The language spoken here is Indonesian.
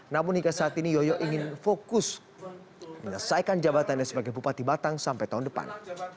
namun hingga saat ini yoyo ingin fokus menyelesaikan jabatannya sebagai bupati batang sampai tahun depan